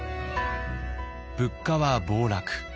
物価は暴落。